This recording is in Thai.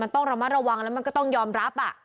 ก็ต้องระวังแล้วมันก็ต้องยอมรับอะ